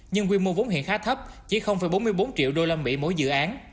nhưng quy mô vốn hiện khá thấp chỉ bốn mươi bốn triệu usd mỗi dự án